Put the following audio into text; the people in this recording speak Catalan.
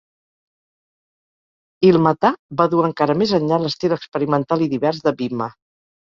"Ilmatar" va dur encara més enllà l'estil experimental i divers de "Vihma".